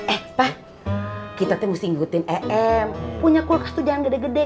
eh pak kita tuh mesti ngikutin em punya kulkas tuh jangan gede gede